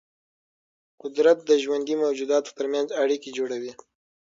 قدرت د ژوندي موجوداتو ترمنځ اړیکې جوړوي.